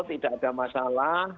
tidak ada masalah